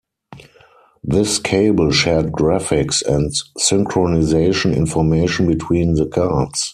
This cable shared graphics and synchronization information between the cards.